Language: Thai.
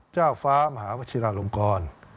เจ้าฟ้ามหาวชิลาลงกร